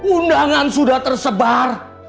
undangan sudah tersebar